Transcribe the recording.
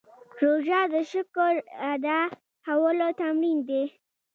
روژه د شکر ادا کولو تمرین دی.